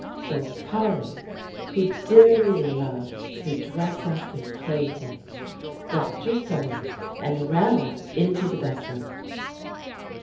So Polly, who dearly loved to dress up and play things, dropped her sewing, and ran off into the bedroom.